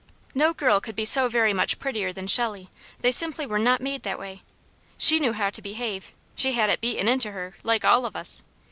No girl could be so very much prettier than Shelley; they simply were not made that way. She knew how to behave; she had it beaten into her, like all of us.